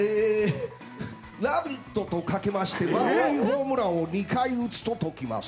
「ラヴィット！」とかけまして満塁ホームランを２回打つと解きます。